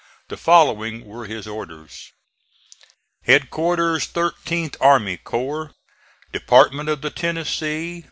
The following were his orders: Headquarters 13th Army Corps, Department of the Tennessee.